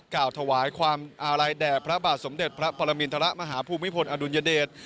กล่าวถวายความอาลัยแด่พระบาทสมเด็จพระปรมินทรมาฮภูมิพลอดุลยเดช